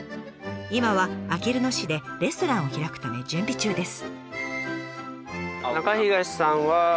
今はあきる野市でレストランを開くため準備中です。